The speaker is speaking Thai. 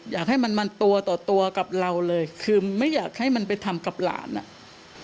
อยากให้มันมันตัวต่อตัวกับเราเลยคือไม่อยากให้มันไปทำกับหลานอ่ะ